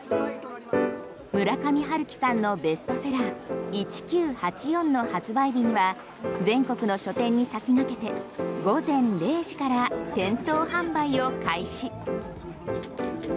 村上春樹さんのベストセラー「１Ｑ８４」の発売日には全国の書店に先駆けて午前０時から店頭販売を開始。